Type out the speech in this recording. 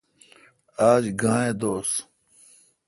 آج گاں اے° دوس؟